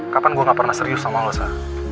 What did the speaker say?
kapan gue gak pernah serius sama lo sa